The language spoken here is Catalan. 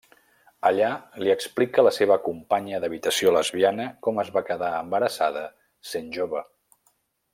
Allà li explica la seva companya d'habitació lesbiana com es va quedar embarassada sent jove.